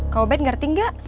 kau bad ngerti enggak